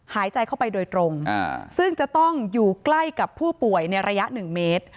หายใจเข้าไปโดยตรงซึ่งจะต้องอยู่ใกล้กับผู้ป่วยในระยะ๑เมตร